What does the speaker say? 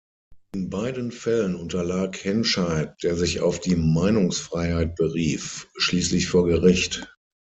In beiden Fällen unterlag Henscheid, der sich auf die Meinungsfreiheit berief, schließlich vor Gericht.